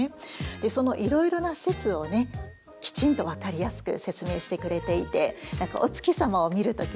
そのいろいろな説をきちんと分かりやすく説明してくれていて何かお月様を見る時にね